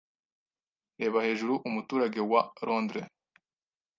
Reba hejuru umuturage wa Londres